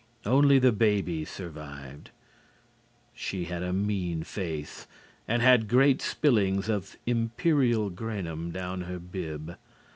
Only the baby survived. She had a mean face and had great spillings of Imperial Granum down her bib.